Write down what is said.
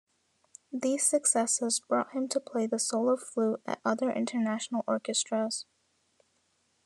These successes brought him to play the solo flute at other international orchestras.